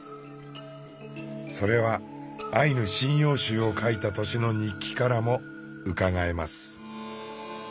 それは「アイヌ神謡集」を書いた年の日記からもうかがえます。